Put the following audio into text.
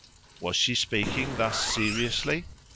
Was she speaking thus seriously?